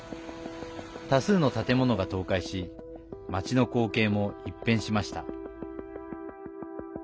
多数の建物が倒壊し町の光景も一変しました。